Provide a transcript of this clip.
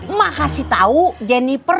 emak kasih tau jennifer